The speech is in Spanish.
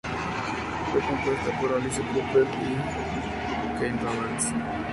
Fue compuesta por Alice Cooper y Kane Roberts.